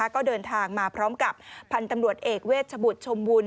ก็เดินทางมาพร้อมกับพันธ์ตำรวจเอกเวชบุตรชมบุญ